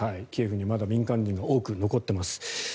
キエフにまだ民間人が多く残っています。